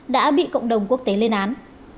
đã bị cộng đồng quốc tế lên án